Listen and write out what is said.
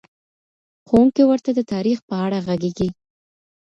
ښوونکی ورته د تاريخ په اړه غږېږي.